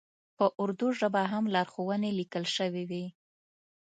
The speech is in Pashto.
په اردو ژبه هم لارښوونې لیکل شوې وې.